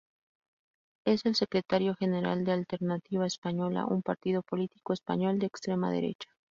Es el secretario general de Alternativa Española, un partido político español de extrema derecha.